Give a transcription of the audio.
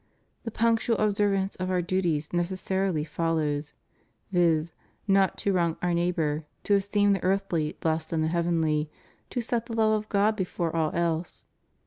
The punctual observance of our duties necessarily follows, viz., not to wrong our neighbor, to esteem the earthly less than the heavenly, to set the love of God before all else.